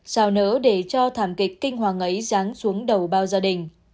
sao nỡ để cho thảm kịch kinh hoàng ấy ráng xuống đầu bao gia đình